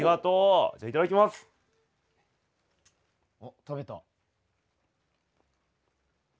あっ食べた。